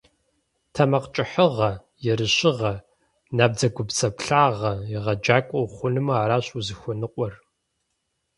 ТэмакъкӀыхьыгъэ, ерыщыгъэ, набдзэгубдзаплъагъэ – егъэджакӏуэ ухъунумэ, аращ узыхуэныкъуэр.